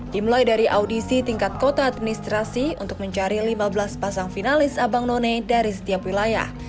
dimulai dari audisi tingkat kota administrasi untuk mencari lima belas pasang finalis abang none dari setiap wilayah